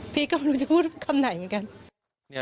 พี่ก็ไม่รู้จะพูดคำไหนเหมือนกัน